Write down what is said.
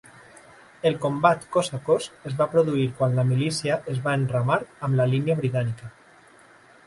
El combat cos a cos es va produir quan la milícia es va enramar amb la línia britànica.